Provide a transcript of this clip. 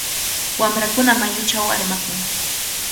Wamrakuna mayuchaw armakun.